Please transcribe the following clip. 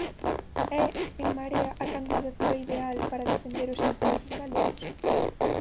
É En Marea a candidatura ideal para defender os intereses galegos?